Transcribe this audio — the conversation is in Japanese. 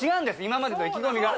今までと意気込みが。